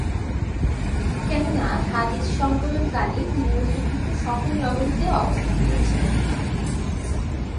কেননা হাদীস সংকলন কালে তিনি উল্লিখিত সকল নগরীতে অবস্থান করেছেন।